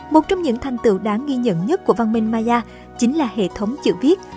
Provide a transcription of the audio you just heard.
một trong những thành tựu đáng ghi nhận nhất của văn minh maya chính là hệ thống chữ viết